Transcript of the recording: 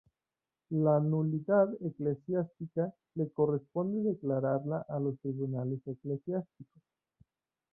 La nulidad eclesiástica le corresponde declararla a los Tribunales Eclesiásticos.